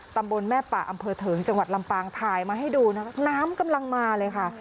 ตำบลแม่ป่าอำเภอเถิงจังหวัดลำปางถ่ายมาให้ดูนะคะน้ำกำลังมาเลยค่ะ